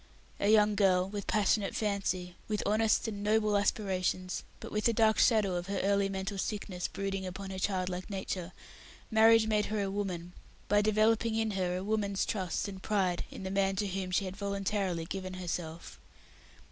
A young girl, with passionate fancy, with honest and noble aspiration, but with the dark shadow of her early mental sickness brooding upon her childlike nature, Marriage made her a woman, by developing in her a woman's trust and pride in the man to whom she had voluntarily given herself.